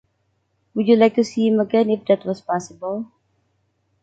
Would you like to see him again if that was possible?